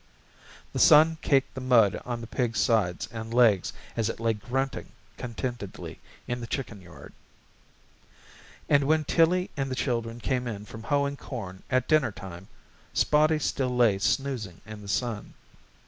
The sun caked the mud on the pig's sides and legs as it lay grunting contentedly in the chicken yard. And when Tillie and the children came in from hoeing corn at dinner time Spotty still lay snoozing in the sun.